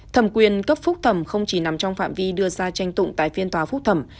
thẩm quyền cấp phúc thẩm không chỉ nằm trong phạm vi đưa ra tranh tụng tại phiên tòa phúc thẩm